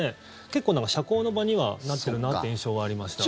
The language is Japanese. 結構、社会の場にはなっているなという印象はありました。